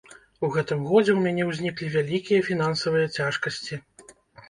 У гэтым годзе ў мяне ўзніклі вялікія фінансавыя цяжкасці.